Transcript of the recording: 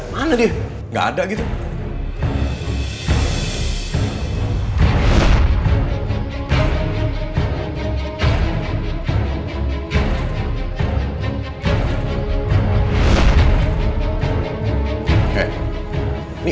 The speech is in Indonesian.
mana dia gak ada gitu